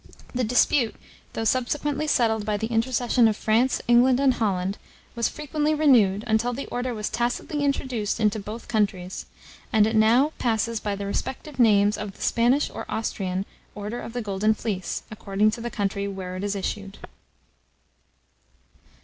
The dispute, though subsequently settled by the intercession of France, England, and Holland, was frequently renewed, until the order was tacitly introduced into both countries, and it now passes by the respective names of the Spanish or Austrian "Order of the Golden Fleece," according to the country where it is issued.